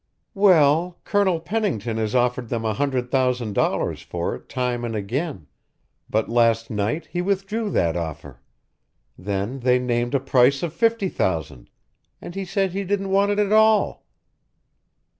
"Well, Colonel Pennington has offered them a hundred thousand dollars for it time and again, but last night he withdrew that offer. Then they named a price of fifty thousand, and he said he didn't want it at all."